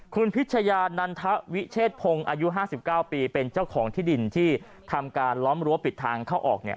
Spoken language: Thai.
คุณพิชยานันทวิเชษพงศ์อายุ๕๙ปีเป็นเจ้าของที่ดินที่ทำการล้อมรั้วปิดทางเข้าออกเนี่ย